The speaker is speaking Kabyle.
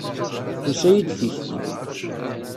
Tusa-yi-d tikti.